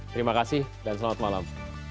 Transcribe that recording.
terima kasih dan selamat malam